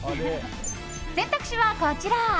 選択肢はこちら。